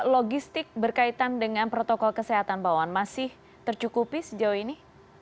logistik berkaitan dengan protokol kesehatan pak wawan masih tercukupi sejauh ini